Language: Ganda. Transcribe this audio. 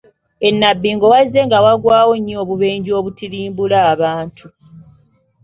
E Nnabbingo wazzenga wagwawo nnyo obubenje obutirimbula abantu.